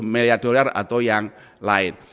lima miliar dolar atau yang lain